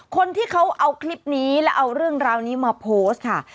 คนที่เขาเอาคลิปนี้แล้วเอาเรื่องราวนี้มาโพสต์ค่ะ